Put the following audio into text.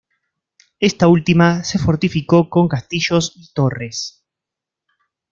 Esta última se fortificó con castillos y torres.